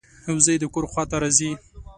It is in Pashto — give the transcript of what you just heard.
وزې د کور خوا ته راځي